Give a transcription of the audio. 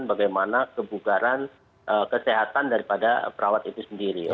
bagaimana kebugaran kesehatan daripada perawat itu sendiri